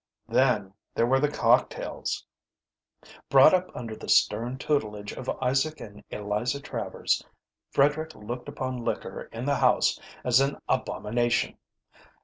Then there were the cocktails. Brought up under the stern tutelage of Isaac and Eliza Travers, Frederick looked upon liquor in the house as an abomination.